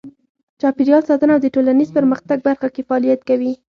چاپیریال ساتنه او د ټولنیز پرمختګ برخه کې فعالیت کوي.